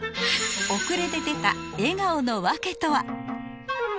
遅れて出た笑顔の訳とは？